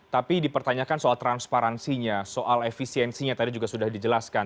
tapi dipertanyakan soal transparansinya soal efisiensinya tadi juga sudah dijelaskan